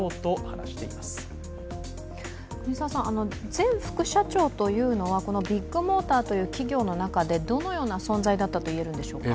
前副社長というのはビッグモーターという企業の中でどのような存在だったといえるんでしょうか。